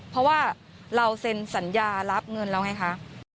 เพราะว่าเราเซ็นสัญญารับเงินแล้วไงคะ